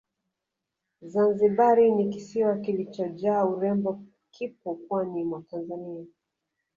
Zanzibari ni kisiwa kilichojaa urembo kipo pwani mwa Tanzania